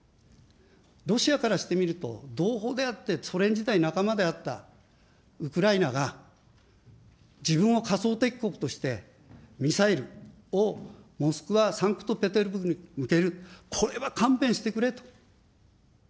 ロシアからしてみると、同胞であって、ソ連時代仲間であったウクライナが、自分を仮想敵国としてミサイルをモスクワ、サンクトペテルブルクに向ける、これは勘弁してくれと。